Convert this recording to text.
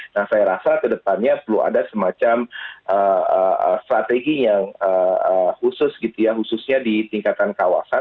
nah saya rasa ke depannya perlu ada semacam strategi yang khusus gitu ya khususnya di tingkatan kawasan